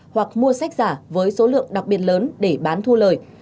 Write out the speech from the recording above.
hoặc mua sách giả với số lượng đặc biệt lớn để bán thu lời